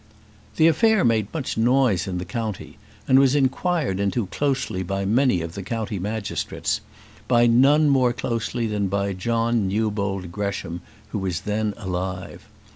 The affair made much noise in the county, and was inquired into closely by many of the county magistrates; by none more closely than by John Newbold Gresham, who was then alive.